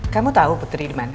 kamu tau putri dimana